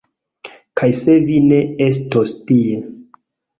Kaj se vi ne estos tie....